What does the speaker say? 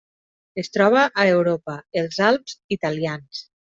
Es troba a Europa: els Alps italians.